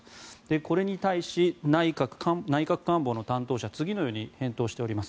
これに対し、内閣官房の担当者次のように返答しております。